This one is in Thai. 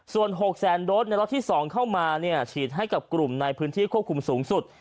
ส่วน๖แสนโดสในล็อตที่๒เข้ามาฉีดให้กับกลุ่มในพื้นที่ควบคุมสูงสุด